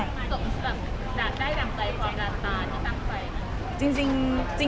สมมุติแบบดัดได้ทำใจความดัดตาที่ตั้งไป